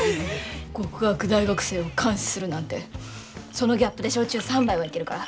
極悪大学生を監視するなんてそのギャップで焼酎３杯はいけるから。